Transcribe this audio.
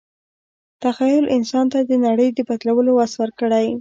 تخیل انسان ته د نړۍ د بدلولو وس ورکړی.